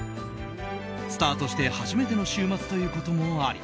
スタートして初めての週末ということもあり